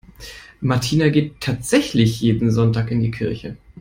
Martina geht tatsächlich jeden Sonntag in die Kirche.